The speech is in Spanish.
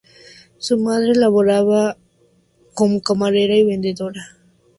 Su madre laboraba como camarera y vendedora.